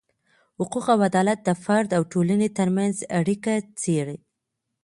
حقوق او عدالت د فرد او ټولني ترمنځ اړیکه څیړې.